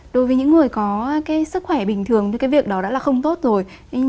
đối với những người có cái sức khỏe bình thường thì cái việc đó đã là không tốt rồi